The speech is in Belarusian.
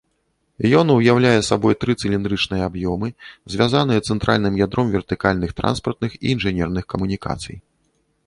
Ён уяўляе сабой тры цыліндрычныя аб'ёмы, звязаныя цэнтральным ядром вертыкальных транспартных і інжынерных камунікацый.